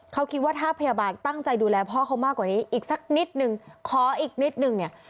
เขาคิดว่าถ้าพยาบาลตั้งใจดูแลพ่อเขามากกว่านี้อีกสักนิดนึงขออีกนิดนึงเนี่ย